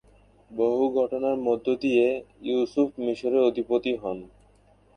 বহু ঘটনার মধ্য দিয়ে ইউসুফ মিশরের অধিপতি হন।